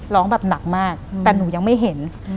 ร้องแบบหนักมากแต่หนูยังไม่เห็น